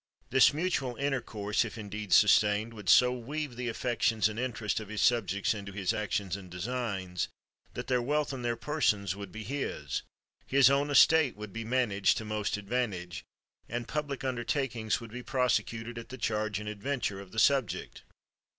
This mutual intercourse, if indeed sustained, would so weave the affections and interests of his subjects into his actions and designs that their wealth and their persons would be his; his own estate would be managed to most advantage; and public undertakings would be prosecuted at the charge and adventure of the subject.